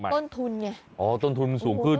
ต้นทุนไงอ๋อต้นทุนมันสูงขึ้น